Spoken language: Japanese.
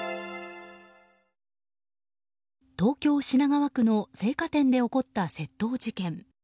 東京・品川区の青果店で起こった窃盗事件。